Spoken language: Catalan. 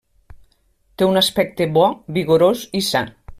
Té un aspecte bo, vigorós i sa.